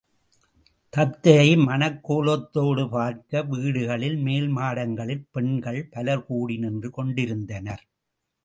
தத்தையை மணக் கோலத்தோடு பார்க்க வீடுகளின் மேல் மாடங்களில் பெண்கள் பலர்கூடி நின்று கொண்டிருந்தனர்.